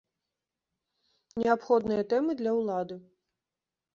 Неабходныя тэмы для ўлады.